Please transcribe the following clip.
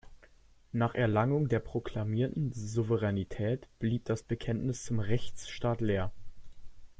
Nach Erlangung der proklamierten Souveränität blieb das Bekenntnis zum Rechtsstaat leer.